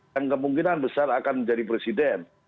yang kemungkinan besar akan menjadi presiden